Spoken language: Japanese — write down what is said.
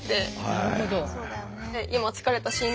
なるほど。